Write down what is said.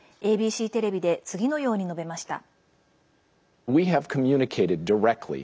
ＡＢＣテレビで次のように述べました。